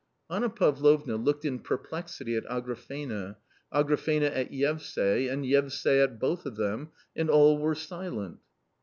Anna Pavlovna looked in perplexity at Agrafena, Agrafena at Yevsay, and Yevsay at both of them, and all were silent.